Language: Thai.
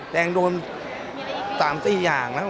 แกงโดนสามสี่อย่างแล้ว